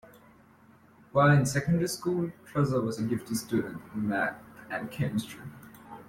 While in secondary school, Strasser was a gifted student in math and chemistry.